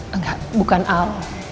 enggak bukan al